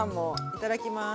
いただきます。